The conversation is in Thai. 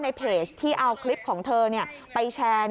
ในเพจที่เอาคลิปของเธอไปแชร์